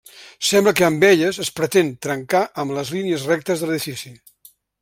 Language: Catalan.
Sembla que amb elles es pretén trencar amb les línies rectes de l'edifici.